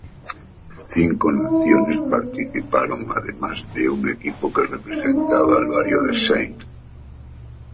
Cinco naciones participaron, además de un equipo que representaba al barrio de St.